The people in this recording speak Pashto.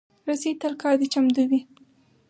رسۍ تل کار ته چمتو وي.